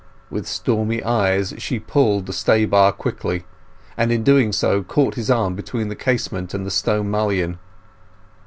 With stormy eyes she pulled the stay bar quickly, and, in doing so, caught his arm between the casement and the stone mullion.